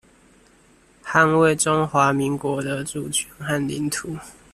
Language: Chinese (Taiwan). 捍衛中華民國的主權和領土